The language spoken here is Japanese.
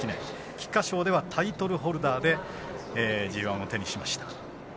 菊花賞ではタイトルホルダーでＧＩを手にしました。